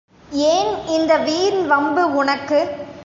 ஏன் இந்த வீண் வம்பு உனக்கு?